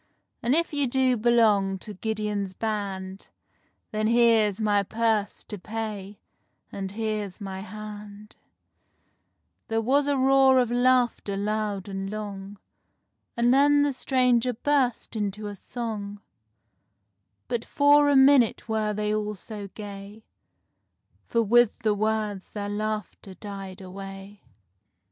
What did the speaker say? And if you do belong to Gideon's Band, Then here's my purse to pay—and here's my hand"— There was a roar of laughter loud and long, And then the stranger burst into a song; But for a minute were they all so gay, For with the words their laughter died away.